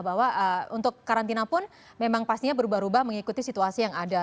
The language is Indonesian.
bahwa untuk karantina pun memang pastinya berubah ubah mengikuti situasi yang ada